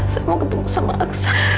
saya mau ketemu sama aksa